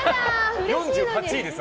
４８位です。